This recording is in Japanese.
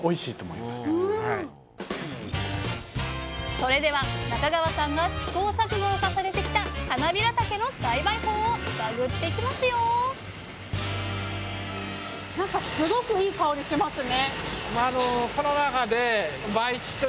それでは中川さんが試行錯誤を重ねてきたはなびらたけの栽培法を探っていきますよなんかすごくいい香りしますね。